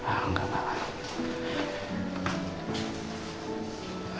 ah gak malah